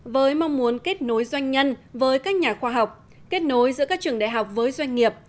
với mong muốn kết nối doanh nhân với các nhà khoa học kết nối giữa các trường đại học với doanh nghiệp